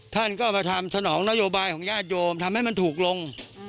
ท่านก็มาทำสนองนโยบายของญาติโยมทำให้มันถูกลง